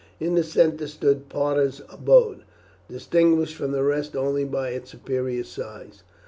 In the centre stood Parta's abode, distinguished from the rest only by its superior size.